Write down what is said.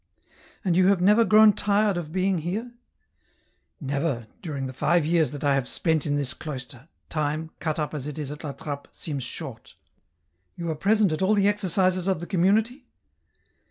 " And you have never grown tired of being here ?"" Never, during the five years that I have spent in this cloister, time, cut up as it is at La Trappe, seems short." " You are present at all the exercises of the Com munity